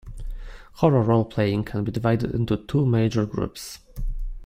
Horror role-playing can be divided into two major groups.